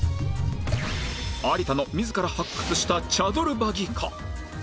有田の自ら発掘したチャドルバギか？